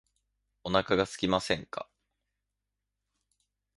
お腹がすきませんか